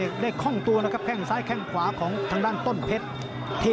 ยังนัดกันไม่เข้าต้องสอนในสอนไม่ได้